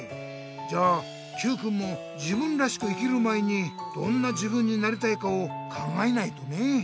じゃあＱくんも自分らしく生きる前にどんな自分になりたいかを考えないとね。